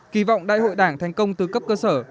kỳ vọng đại hội đảng thành công từ cấp cơ sở